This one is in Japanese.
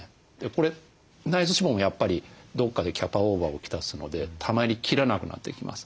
これ内臓脂肪もやっぱりどっかでキャパオーバーをきたすのでたまりきらなくなってきます。